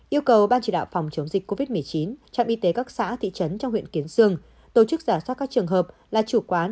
yêu cầu ban chỉ đạo phòng chống dịch covid một mươi chín trạm y tế các xã thị trấn trong huyện kiến sương tổ chức giả soát các trường hợp là chủ quán